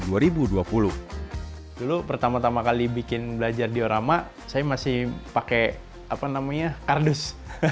dulu pertama tama kali bikin belajar diorama saya masih pakai kardus